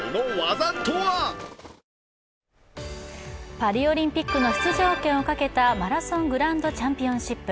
パリオリンピックの出場権をかけたマラソングランドチャンピオンシップ。